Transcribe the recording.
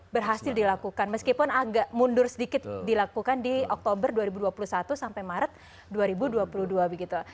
berhasil dilakukan meskipun agak mundur sedikit dilakukan di oktober dua ribu dua puluh satu sampai maret dua ribu dua puluh dua begitu